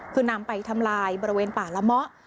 คือนำไปทำลายบริเวณป่าละเมาะ